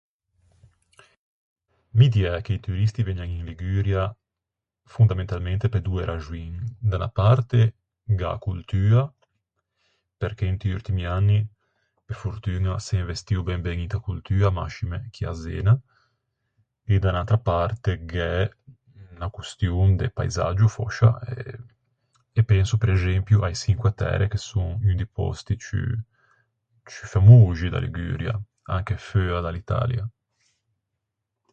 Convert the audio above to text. Mi diæ che i turisti vëgnan in Liguria fondamentalmente pe doe raxoin. Da unna parte gh'é a coltua, perché inti urtimi anni pe fortuña s'é investio ben ben inta coltua, mascime chì a Zena. E da unn'atra parte gh'é unna costion de paisaggio, fòscia. E penso prexempio a-e Çinque Tære che son un di pòsti ciù, ciù famoxi da Liguria, anche feua da l'Italia.